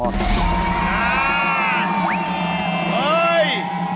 เป็นยังไง